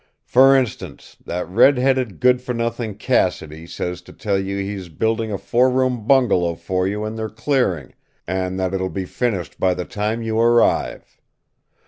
"For instance, that red headed good for nothing, Cassidy, says to tell you he is building a four room bungalow for you in their clearing, and that it will be finished by the time you arrive.